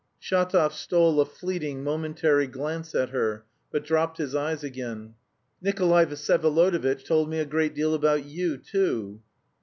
Shatov stole a fleeting, momentary glance at her, but dropped his eyes again. "Nikolay Vsyevolodovitch told me a great deal about you, too."